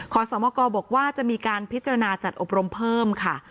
ขอสมกรบอกว่าจะมีการพิจารณาจัดอบรมเพิ่มค่ะ